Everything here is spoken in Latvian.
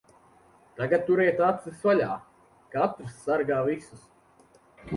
Tagad turiet acis vaļā. Katrs sargā visus.